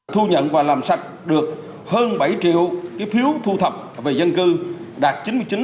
thu nhận và làm sạch được hơn bảy triệu phiếu thu thập về dân cư đạt chín mươi chín